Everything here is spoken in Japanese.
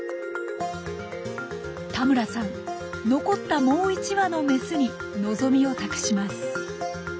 田村さん残ったもう一羽のメスに望みを託します。